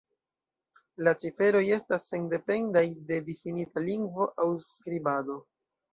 La ciferoj estas sendependaj de difinita lingvo aŭ skribado.